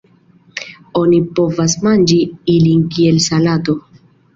Oni povas manĝi ilin kiel salato.